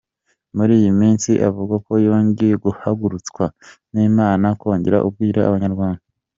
Muri iyi minsi avuga ko yongeye guhagurutswa n’Imana kongera kubwira abanyarwanda.